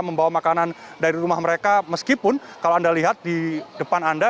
membawa makanan dari rumah mereka meskipun kalau anda lihat di depan anda